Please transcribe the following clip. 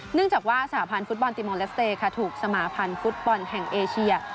หลังจากว่าสหภัณฑ์ฟุตบอลติมอลเลสเตย์ถูกสมาภัณฑ์ฟุตบอลแห่งเอเชีย